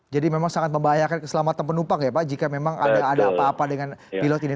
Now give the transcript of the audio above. jadi memang sangat membahayakan keselamatan penumpang ya pak jika memang ada apa apa dengan pilot ini